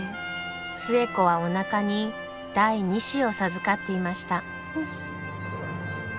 寿恵子はおなかに第２子を授かっていました。